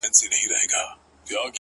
• پر خپل کور به د مرګي لاري سپرې کړي,